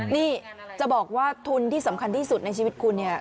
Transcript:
นี่จะบอกว่าทุนที่สำคัญที่สุดในชีวิตคุณเนี่ย